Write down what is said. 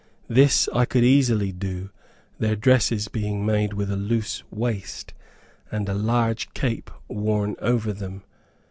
This I could easily do, their dresses being made with a loose waist, and a large cape worn over them.